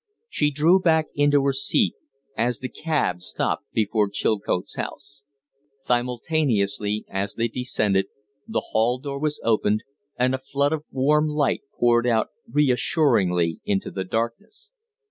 She drew back into her seat, as the cab stopped before Chilcote's house. Simultaneously as they descended, the hall door was opened and a flood of warm light poured out reassuringly into the darkness.